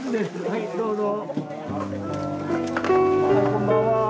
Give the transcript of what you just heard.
はいどうぞ。